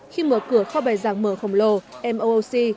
khi mở cửa kho bài giảng mở khổng lồ mooc